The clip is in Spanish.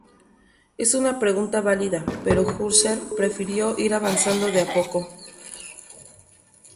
Es una pregunta válida, pero Husserl prefiere ir avanzando de a poco.